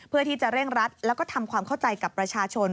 เพื่อที่จะเร่งรัดแล้วก็ทำความเข้าใจกับประชาชน